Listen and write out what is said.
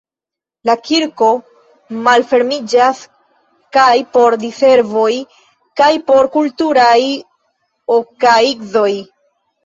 La kirko malfermiĝas kaj por diservoj kaj por kulturaj okaigzoj.